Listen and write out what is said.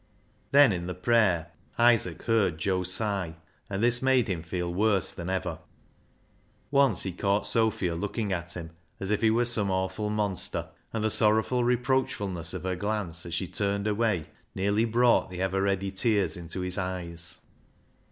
Then in the prayer Isaac heard Joe sigh, and this made him feel worse than ever. Once he caught Sophia looking at him as if he were some awful monster, and the sorrowful reproachfulness of her glance as she turned away nearly brought the ever ready tears into his eyes.